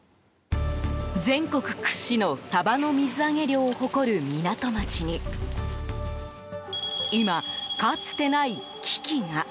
全国屈指のサバの水揚げ量を誇る港町に今、かつてない危機が。